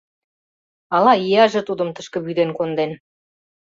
Ала ияже тудым тышке вӱден конден.